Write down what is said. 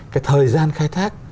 cái thời gian khai thác